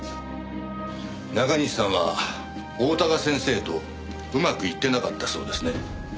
中西さんは大鷹先生とうまくいってなかったそうですね。